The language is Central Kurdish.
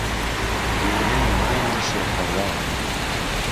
وێنهی ماینی شێخهزاڵ